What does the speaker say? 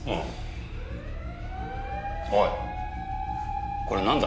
おいこれなんだ？